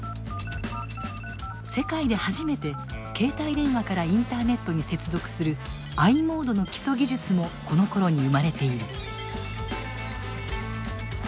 世界で初めて携帯電話からインターネットに接続するｉモードの基礎技術もこのころに生まれている。